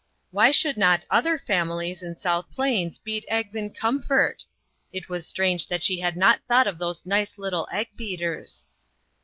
Why should not other families in South Plains beat eggs in comfort ? It was strange that she had not thought of those nice little egg beaters.